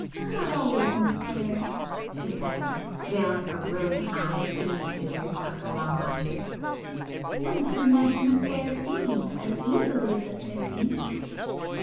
"Not always, Miss Clare,"—she said, veiling her brilliant eyes beneath the droop of her long lashes—"One can imagine a fair fiend as easily as a fair angel."